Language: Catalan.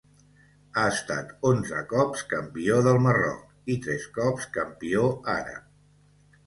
Ha estat onze cops Campió del Marroc, i tres cops Campió àrab.